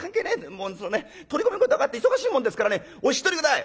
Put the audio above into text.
もうそのね取り込み事があって忙しいもんですからねお引き取り下さい」。